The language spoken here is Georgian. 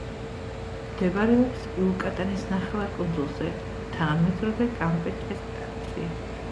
მდებარეობს იუკატანის ნახევარკუნძულზე, თანამედროვე კამპეჩეს შტატში.